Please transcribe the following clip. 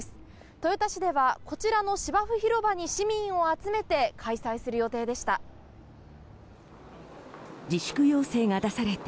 豊田市ではこちらの芝生広場に市民を集めて開催する予定でした。